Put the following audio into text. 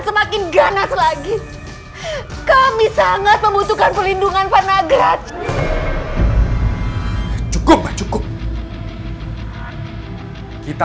semakin ganas lagi kami sangat membutuhkan pelindungan pak nagrad cukup kita